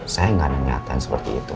saya gak nangnyatan seperti itu